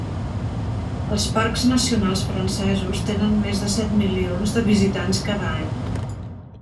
Els parcs nacionals francesos tenen més de set milions de visitants cada any.